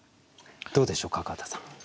どうでしょう角幡さん。